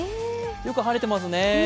よく晴れてますね。